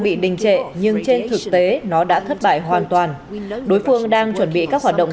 bị đình trệ nhưng trên thực tế nó đã thất bại hoàn toàn đối phương đang chuẩn bị các hoạt động